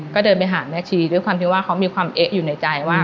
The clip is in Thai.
ก็เดินไปหาแม่ชีด้วยความที่ว่าเขามีความเอ๊ะอยู่ในใจว่า